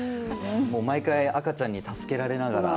毎回赤ちゃんに助けられながら。